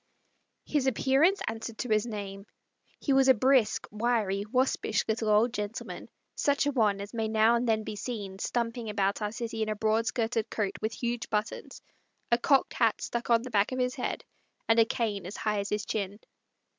His appearance answered to his name. He was a brisk, wiry, waspish little old gentleman, such a one as may now and then be seen stumping about our city in a broad skirted coat with huge buttons, a cocked hat stuck on the back of his head, and a cane as high as his chin.